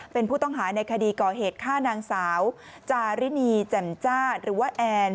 เป็นผู้ต้องหาในคดีก่อเหตุฆ่านางสาวจารินีแจ่มจ้าหรือว่าแอน